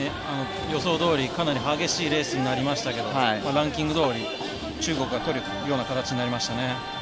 予想どおり、かなり激しいレースになりましたがランキングどおり中国がとるような形になりましたね。